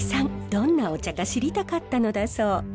どんなお茶か知りたかったのだそう。